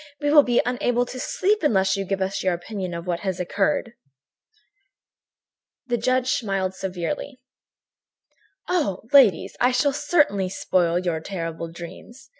We will be unable to sleep unless you give us your opinion of what had occurred." The judge smiled severely: "Oh! Ladies, I shall certainly spoil your terrible dreams.